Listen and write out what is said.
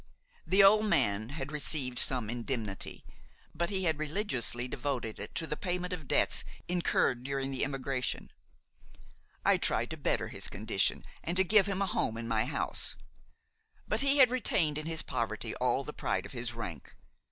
The old man had received some indemnity, but he had religiously devoted it to the payment of debts incurred during the emigration. I tried to better his condition and to give him a home in my house; but he had retained in his poverty all the pride of his rank.